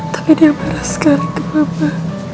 tapi dia marah sekali ke bapak